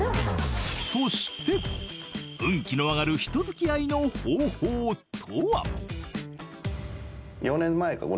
［そして運気の上がる人付き合いの方法とは］へ。